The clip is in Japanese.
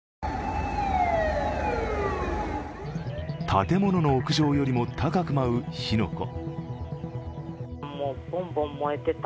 建物の屋上よりも高く舞う火の粉。